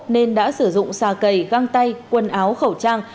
nên đã sử dụng xà cầy găng tay quần áo khẩu trang